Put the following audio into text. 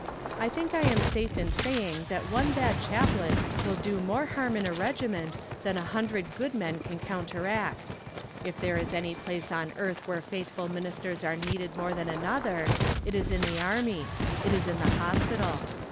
I think I am safe in saying that one bad chaplain will do more harm in a regiment than a hundred good men can counteract. If there is any place on earth where faithful ministers are needed more than another, it is in the army it is in the hospital.